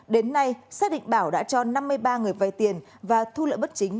đến nay xác định bảo đã cho năm mươi ba người vay tiền và thu lợi bất chính